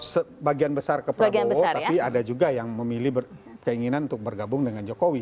sebagian besar ke prabowo tapi ada juga yang memilih keinginan untuk bergabung dengan jokowi